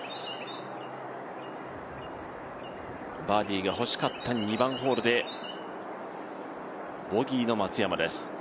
バーディーが欲しかった２番ホールでボギーの松山です。